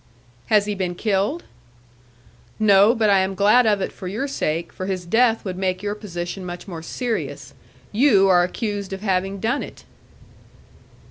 "Has he been killed?" "No; but I am glad of it for your sake, for his death would make your position much more serious. You are accused of having done it."